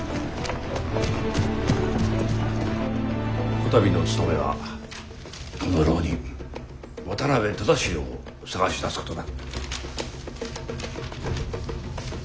こたびの務めはこの浪人渡辺忠四郎を捜し出すことだ。